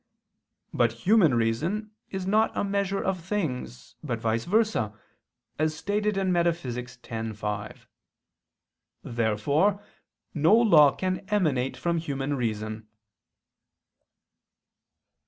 But human reason is not a measure of things, but vice versa, as stated in Metaph. x, text. 5. Therefore no law can emanate from human reason.